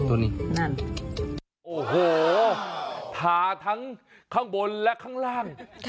โอ้โหทาทั้งข้างบนและข้างล่าง